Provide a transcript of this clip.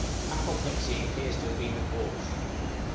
Apoplexy appears to have been the cause.